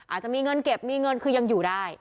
อาจจะมีเงินเก็บมีเงินคือยังอยู่ได้